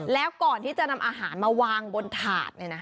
แล้วก่อนที่จะนำอาหารมาวางบนถาด